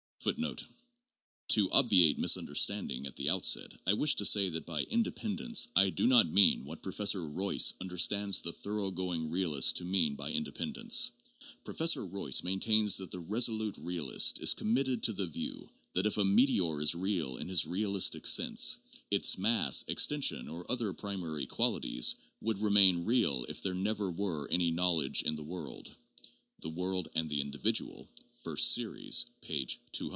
2 1 To obviate misunderstanding at the outset, I wish to say that by 'inde pendence' I do not mean what Professor Royce understands the thoroughgoing realist to mean by ' independence.' Professor Royce maintains that the resolute realist is committed to the view that if a meteor is real in his realistic sense, its ' mass, extension or other primary qualities '' would remain real if there never were any knowledge in the world ' ('The World and the Individual,' First Series, p. 200).